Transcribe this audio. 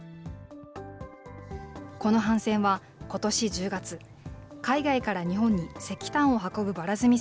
この帆船は、ことし１０月、海外から日本に石炭を運ぶばら積み